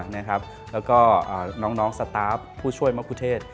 แล้วก็น้องสตาร์ฟผู้ช่วยมะคุเทศ